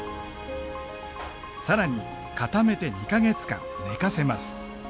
更に固めて２か月間寝かせます。